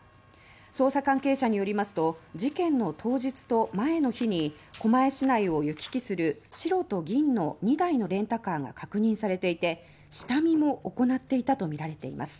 捜査関係者によりますと事件の当日と前の日に狛江市内を行き来する白と銀の２台のレンタカーが確認されていて下見も行っていたとみられています。